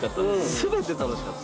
全て楽しかった。